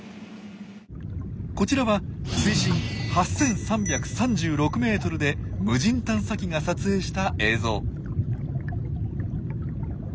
こちらは水深８３３６ｍで無人探査機が撮影した映像。